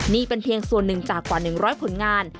นี่เป็นเพียงส่วนหนึ่งจากกว่า๑๐๐ผลงาน